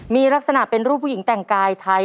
มีลักษณะเป็นรูปผู้หญิงแต่งกายไทย